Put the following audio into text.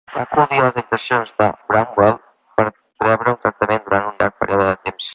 Va acudir a les habitacions de Bramwell per rebre tractament durant un llarg període de temps.